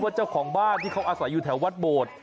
เจ้าของบ้านที่เขาอาศัยอยู่แถววัดโบด